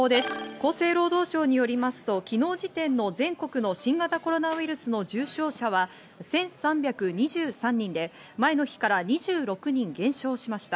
厚生労働省によりますと昨日時点の全国の新型コロナウイルスの重症者は１３２３人で、前の日から２６人減少しました。